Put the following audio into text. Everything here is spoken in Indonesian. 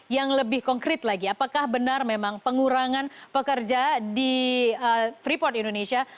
yang lebih konkret lagi apakah benar memang pengurangan pekerja di freeport indonesia